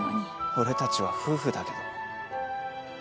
俺たちは夫婦だけど。